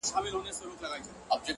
دا غرونه غرونه پـه واوښـتـل-